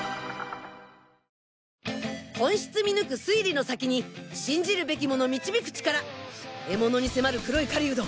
本質見抜く推理の先に信じるべきもの導く力獲物に迫る黒い狩人